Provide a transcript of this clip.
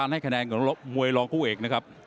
ให้คะแนนของมวยรองคู่เอกนะครับ